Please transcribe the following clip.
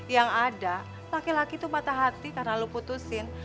yang ada laki laki itu patah hati karena lu putusin